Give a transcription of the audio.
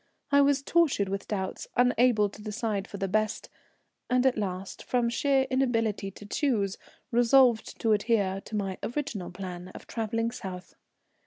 I was tortured with doubts, unable to decide for the best, and at last, from sheer inability to choose, resolved to adhere to my original plan of travelling south.